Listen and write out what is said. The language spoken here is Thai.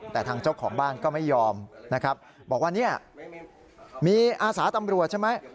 แต่ทางเจ้าของบ้านก็ไม่ยอมนะครับบอกว่าเนี่ยมีอาสาตำรวจใช่ไหม